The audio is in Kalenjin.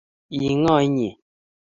Ii ngo inye?